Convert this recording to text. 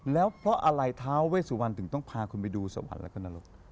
แล้วเพราะอะไรท้าเวสุวรรณถึงต้องพาคุณไปดูสัมผัสแล้วก็นรก